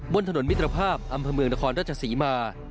บนถนนมิตรภาพอำเภอเมืองนครราชศรีมา